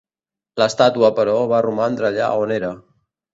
L'estàtua, però, va romandre allà on era.